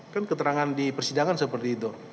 kan keterangan di persidangan seperti itu